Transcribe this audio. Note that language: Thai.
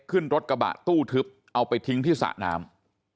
ขึ้นรถกระบะตู้ทึบเอาไปทิ้งที่สระน้ำ